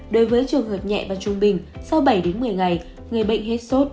đối với trường hợp nhẹ và trung bình sau bảy đến một mươi ngày người bệnh hết sốt